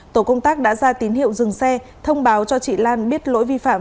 tổ công tác đã ra tín hiệu dừng xe thông báo cho chị lan biết lỗi vi phạm